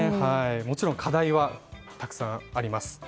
もちろん課題はたくさんあります。